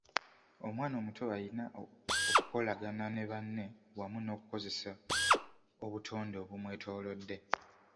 Omwana omuto ayiga okukolagana ne banne wamu n’okukozesa obutonde obumwetoolodde.